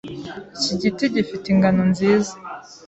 Iki giti gifite ingano nziza.